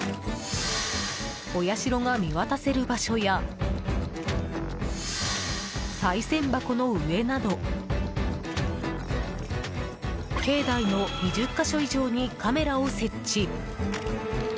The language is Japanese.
お社が見渡せる場所やさい銭箱の上など境内の２０か所以上にカメラを設置。